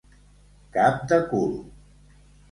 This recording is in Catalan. Cap de cul.